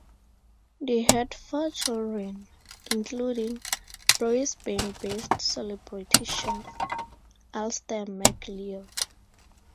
They had four children, including Brisbane-based celebrity chef, Alastair McLeod.